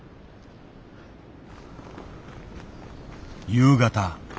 夕方。